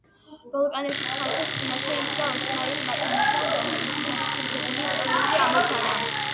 ბალკანეთის ხალხის წინაშე იდგა ოსმალეთის ბატონობისაგან განთავისუფლების ისტორიულ ამოცანა.